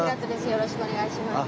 よろしくお願いします。